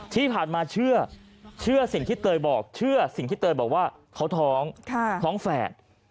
ที่ผ่านมาเชื่อสิ่งที่เตยบอกเชื่อสิ่งที่เตยบอกว่าเขาท้องท้องแฝด